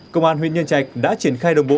công an huyện nhân trạch đã triển khai đồng bộ